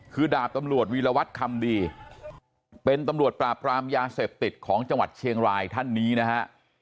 คือดาบตำรวจวีรวัตรคำดีเป็นตำรวจปราบรามยาเสพติดของจังหวัดเชียงรายท่านนี้นะฮะ